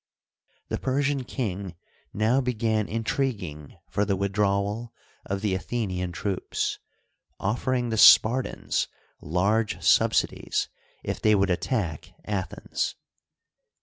The Persian kin^f now began intriguing for the with drawal of the Athenian troops, offering the Spartans large subsidies if they would attack Athens.